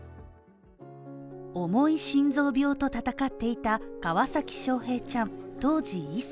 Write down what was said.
重い心臓病と闘っていた川崎翔平ちゃん１歳。